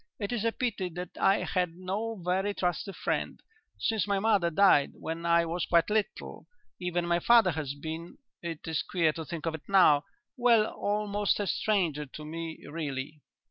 "It is a pity that I had no very trusty friend, since my mother died when I was quite little. Even my father has been it is queer to think of it now well, almost a stranger to me really."